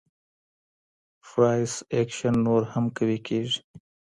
فرایس اکشن نور هم قوي کيږي.